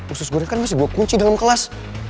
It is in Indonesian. usus goreng kan masih gue kunci dalam kelas